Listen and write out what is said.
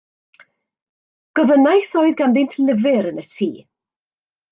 Gofynnais a oedd ganddynt lyfr yn y tŷ.